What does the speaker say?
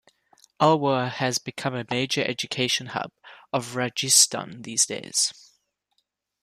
Alwar has become a major education hub of Rajasthan these days.